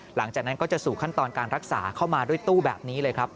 หลังจากนั้นก็จะสู่ขั้นตอนการรักษาเข้ามาด้วยตู้แบบนี้เลยครับ